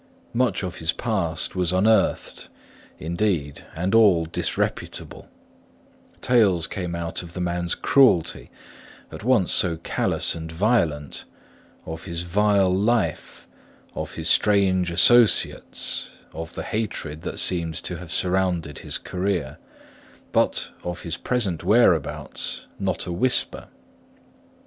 Much of his past was unearthed, indeed, and all disreputable: tales came out of the man's cruelty, at once so callous and violent; of his vile life, of his strange associates, of the hatred that seemed to have surrounded his career; but of his present whereabouts, not a whisper.